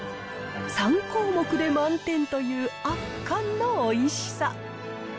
３項目で満点という、圧巻のおいしさ。